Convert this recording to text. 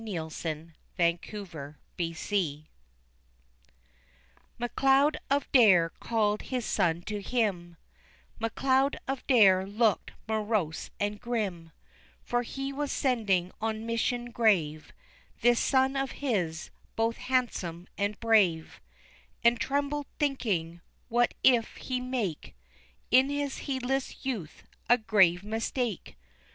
] The Day Neil Rode to Mill MacLeod of Dare called his son to him, MacLeod of Dare looked morose and grim, For he was sending on mission grave This son of his, both handsome and brave, And trembled, thinking, "what if he make In his heedless youth a grave mistake?"